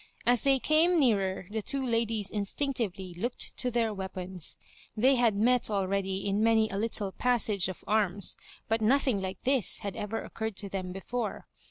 As they came nearer the two ladies instinctively looked to their weapona They had met already in many a little passage of arms, but nothing like this had ever occurred to them before.